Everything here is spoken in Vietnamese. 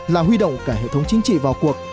là huy động cả hệ thống chính trị vào cuộc